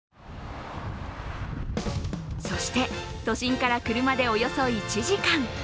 そして、都心から車でおよそ１時間。